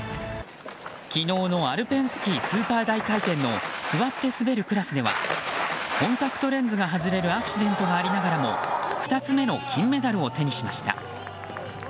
昨日のアルペンスキースーパー大回転の座って滑るクラスではコンタクトレンズが外れるアクシデントがありながらも２つ目の金メダルを手にしました。